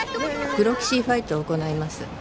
プロキシーファイトを行います